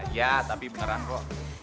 ya tapi beneran kok